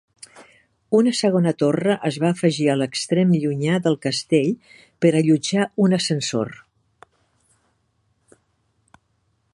Una segona torre es va afegir a l'extrem llunyà del castell per allotjar un ascensor.